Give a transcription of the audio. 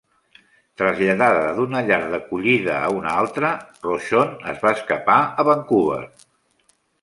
Traslladada d'una llar d'acollida a una altra, Rochon es va escapar a Vancouver.